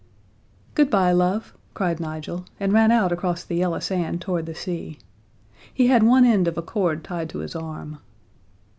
"Good bye, love!" cried Nigel, and ran out across the yellow sand toward the sea. He had one end of a cord tied to his arm.